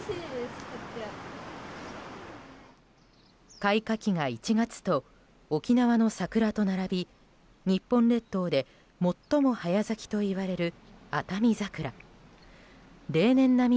開花期が１月と沖縄の桜と並び日本列島で最も早咲きといわれるあたみ